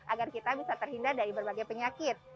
agar kita bisa terhindar dari berbagai penyakit